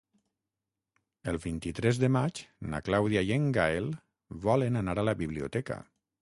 El vint-i-tres de maig na Clàudia i en Gaël volen anar a la biblioteca.